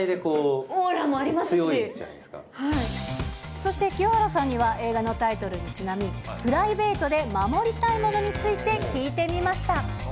そして清原さんには映画のタイトルにちなみ、プライベートで護りたいものについて聞いてみました。